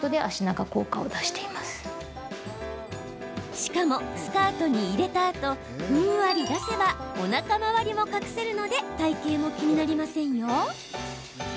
しかも、スカートに入れたあとふんわり出せばおなか回りも隠せるので体型も気になりませんよ。